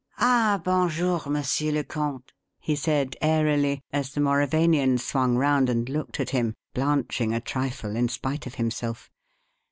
"Ah, bon jour, Monsieur le Comte," he said airily, as the Mauravanian swung round and looked at him, blanching a trifle in spite of himself.